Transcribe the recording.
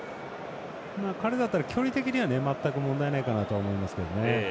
彼だったら距離的には全く問題ないと思います。